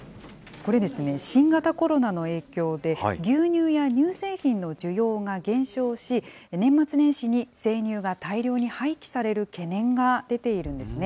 これですね、新型コロナの影響で、牛乳や乳製品の需要が減少し、年末年始に生乳が大量に廃棄される懸念が出ているんですね。